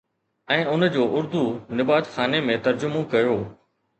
۽ ان جو اردو نباتخاني ۾ ترجمو ڪيو